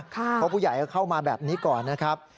เพราะผู้ใหญ่ก็เข้ามาแบบนี้ก่อนนะครับ